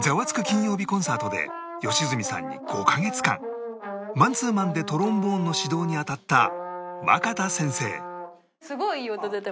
金曜日コンサート」で良純さんに５カ月間マンツーマンでトロンボーンの指導にあたった若田先生